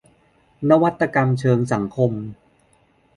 นวัตกรรมเชิงสังคม